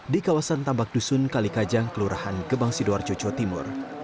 di kawasan tambak dusun kalikajang kelurahan gebang sidoarjo jawa timur